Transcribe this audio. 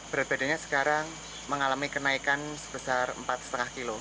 berat badannya sekarang mengalami kenaikan sebesar empat lima kilo